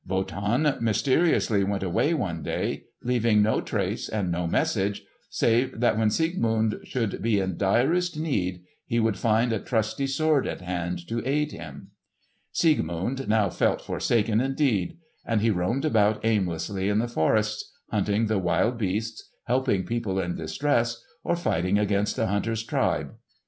Wotan mysteriously went away one day, leaving no trace and no message save that when Siegmund should be in direst need he would find a trusty sword at hand to aid him. Siegmund now felt forsaken indeed; and he roamed about aimlessly in the forests, hunting the wild beasts, helping people in distress, or fighting against the hunter's tribe.